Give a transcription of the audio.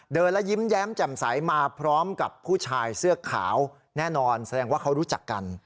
แล้วยิ้มแย้มแจ่มใสมาพร้อมกับผู้ชายเสื้อขาวแน่นอนแสดงว่าเขารู้จักกัน